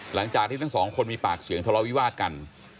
หลังจากที่ทั้งสองคนมีปากเสียงทะเลาวิวาสกัน